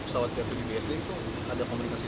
pesawat jatuh di bsd itu ada komunikasi